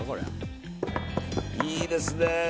いいですね。